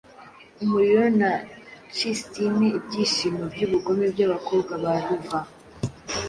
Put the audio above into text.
umuriro na cistine Ibyishimo byubugome byabakobwa ba Luva,